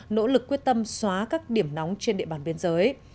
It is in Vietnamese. nỗ lực quyết tâm xóa các điểm nóng trên địa bàn biên giới